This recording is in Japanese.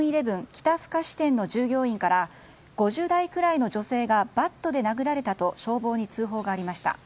北深志店の従業員から５０代くらいの女性がバットで殴られたと消防に通報がありました。